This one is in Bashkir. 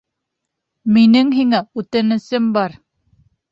Минең һиңә үтенесем бар.